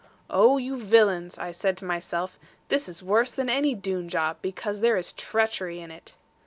'Oh, you villains!' I said to myself, 'this is worse than any Doone job; because there is treachery in it.'